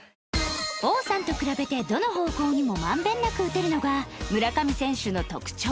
王さんと比べてどの方向にも満遍なく打てるのが村上選手の特徴